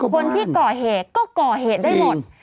คนที่ก่อเหตุก็ก่อเหตุได้หมด